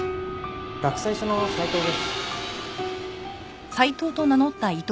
洛西署の斎藤です。